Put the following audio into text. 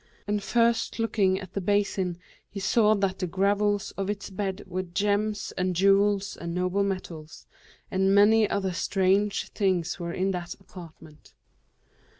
And first looking at the basin he saw that the gravels of its bed were gems and jewels and noble metals; and many other strange things were in that apartment."